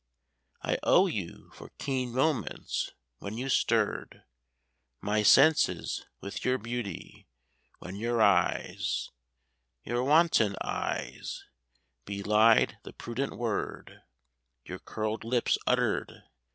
I owe you for keen moments when you stirred My senses with your beauty, when your eyes (Your wanton eyes) belied the prudent word Your curled lips uttered.